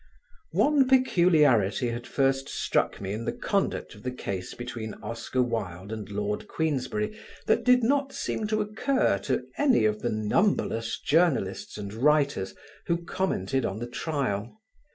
One peculiarity had first struck me in the conduct of the case between Oscar Wilde and Lord Queensberry that did not seem to occur to any of the numberless journalists and writers who commented on the trial.